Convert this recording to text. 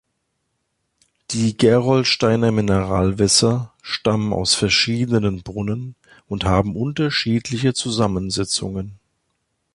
Die Gerolsteiner Mineralwässer stammen aus verschiedenen Brunnen und haben unterschiedliche Zusammensetzungen.